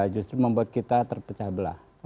justru membuat kita terpecah belah